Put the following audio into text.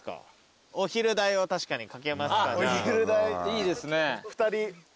いいですね。